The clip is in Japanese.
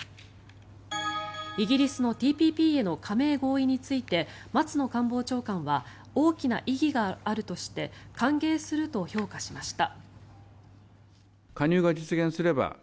イギリスのＴＰＰへの加盟合意について松野官房長官は大きな意義があるとして歓迎すると評価しました。